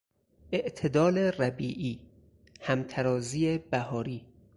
اعتدال ربیعی، همترازی بهاری